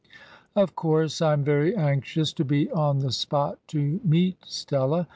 Of course, I am very anxious to be on the spot to meet Stella.